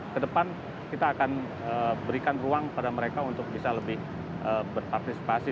jadi kita akan berikan ruang pada mereka untuk bisa lebih berpartisipasi